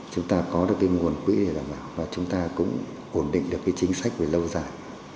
chúng ta có được cái nguồn quỹ để đảm bảo và chúng ta cũng ổn định được cái chính sách về lâu dài